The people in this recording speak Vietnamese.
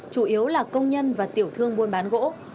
chủ yếu là công nhân và tiểu thương buôn bán gỗ